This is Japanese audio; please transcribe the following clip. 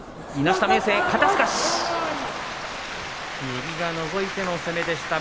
右がのぞいての攻めでした。